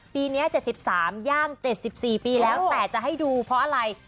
ปีนี้๗๓ย่าง๗๔ปีแล้วแต่จะให้ดูเพราะอะไร